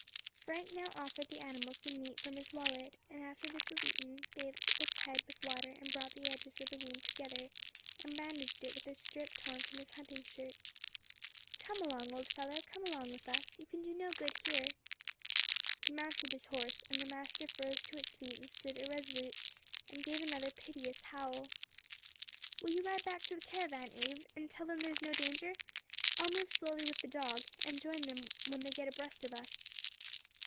Frank now offered the animal some meat from his wallet, and after this was eaten, bathed its head with water and brought the edges of the wound together, and bandaged it with a strip torn from his hunting shirt. "Come along, old fellow; come along with us, you can do no good here." He mounted his horse, and the mastiff rose to its feet and stood irresolute, and gave another piteous howl. "Will you ride back to the caravan, Abe, and tell them there is no danger? I will move slowly with the dog, and join them when they get abreast of us."